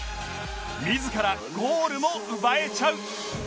自らゴールも奪えちゃう